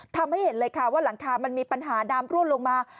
ทำให้เห็นเลยค่ะว่าหลังคามันมีปัญหาน้ำร่วงลงมา